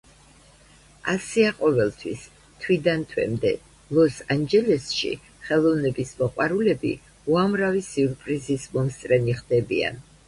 ასეა ყოველთვის, თვიდან თვემდე, ლოს-ანჯელესში ხელოვნების მოყვარულები უამრავი სიურპრიზის მომსწრენი ხდებიან.